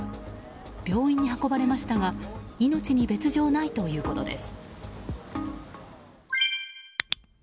病院に運ばれましたが命に別条はないということです。